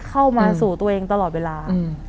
เข้ามาสู่ตัวเองตลอดเวลา